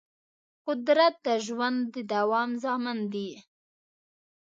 قدرت د ژوند د دوام ضامن دی.